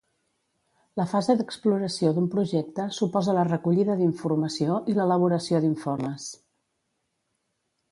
La fase d'exploració d'un projecte suposa la recollida d'informació i l'elaboració d'informes.